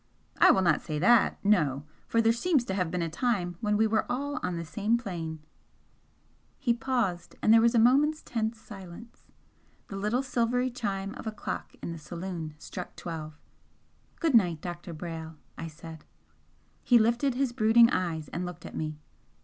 "I will not say that no! For there seems to have been a time when we were all on the same plane " He paused, and there was a moment's tense silence. The little silvery chime of a clock in the saloon struck twelve. "Good night, Dr. Brayle!" I said. He lifted his brooding eyes and looked at me.